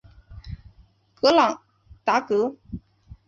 格朗达格。